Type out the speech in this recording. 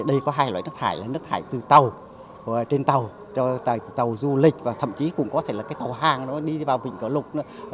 đây có hai loại nước thải nước thải từ tàu trên tàu từ tàu du lịch và thậm chí cũng có thể là tàu hàng đi vào vịnh cổ lục